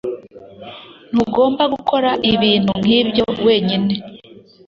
Ntugomba gukora ibintu nkibyo wenyine.